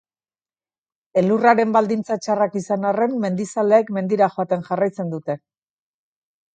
Elurraren baldintza txarrak izan arren, mendizaleek mendira joaten jarraitzen dute.